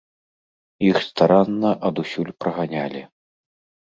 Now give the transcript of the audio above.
Іх старанна адусюль праганялі.